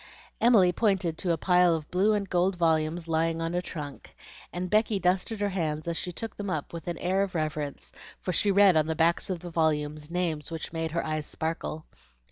Emily pointed to a pile of blue and gold volumes lying on a trunk, and Becky dusted her hands as she took them up with an air of reverence, for she read on the backs of the volumes names which made her eyes sparkle.